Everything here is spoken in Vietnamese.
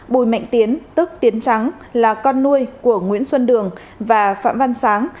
bùi mạnh tiến tức tiến trắng là con nuôi của nguyễn xuân đường và phạm văn sáng